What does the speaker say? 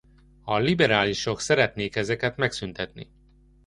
A liberálisok szeretnék ezeket megszüntetni.